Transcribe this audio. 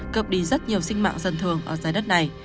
cập đi rất nhiều sinh mạng dân thường ở giải đất này